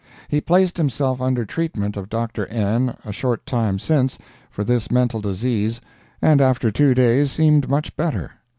He placed himself under treatment of Dr. N. a short time since, for this mental disease, and after two days seemed much better.